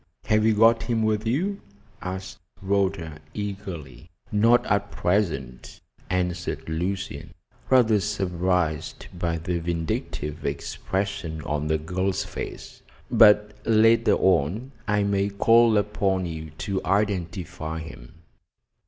Have you got him with you?" asked Rhoda eagerly. "Not at present," answered Lucian, rather surprised by the vindictive expression on the girl's face. "But later on I may call upon you to identify him."